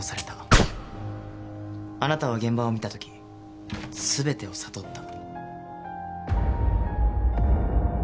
あなたは現場を見た時全てを悟った。